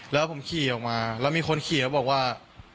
แล้วผมขี่ออกมาแล้วมีคนขี่เขาบอกว่า